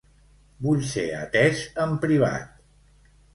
Vull ser atés en privat.